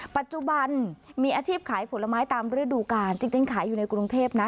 ปัจจุบันมีอาชีพขายผลไม้ตามฤดูกาลจริงขายอยู่ในกรุงเทพนะ